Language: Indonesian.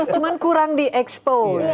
cuma kurang di expose